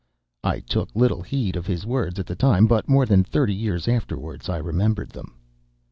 "I took little heed of his words at the time, but more than thirty years afterwards I remembered them.